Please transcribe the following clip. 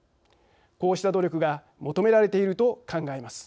こうした努力が求められていると考えます。